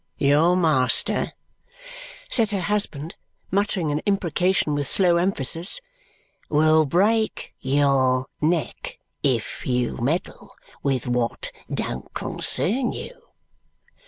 "Your master," said her husband, muttering an imprecation with slow emphasis, "will break your neck if you meddle with wot don't concern you."